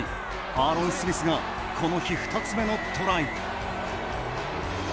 アーロン・スミスがこの日２つ目のトライ。